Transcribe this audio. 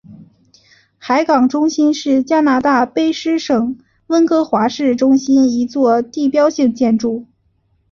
海港中心是加拿大卑诗省温哥华市中心一座地标性建筑。